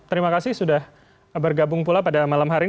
terima kasih sudah bergabung pula pada malam hari ini